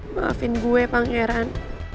maafin gue pangeran